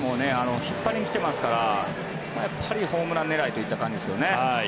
引っ張りに来ていますからやっぱりホームラン狙いといった感じですよね。